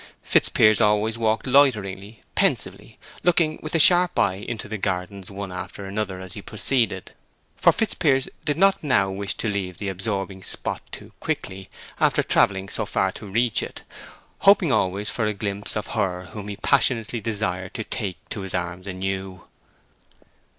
Fitzpiers always walked loiteringly, pensively, looking with a sharp eye into the gardens one after another as he proceeded; for Fitzpiers did not wish to leave the now absorbing spot too quickly, after travelling so far to reach it; hoping always for a glimpse of her whom he passionately desired to take to his arms anew.